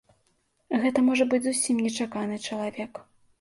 Гэта можа быць зусім нечаканы чалавек.